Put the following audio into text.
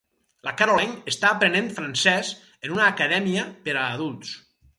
La Caroline està aprenent francès en una acadèmia per a adults